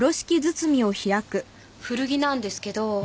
古着なんですけど。